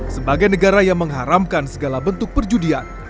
sebagai negara yang mengharamkan segala bentuk perjudian